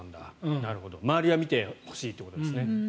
周りは見てほしいということですね。